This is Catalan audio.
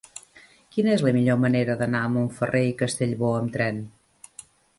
Quina és la millor manera d'anar a Montferrer i Castellbò amb tren?